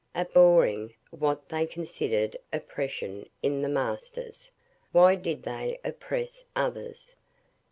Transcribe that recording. Abhorring what they considered oppression in the masters, why did they oppress others?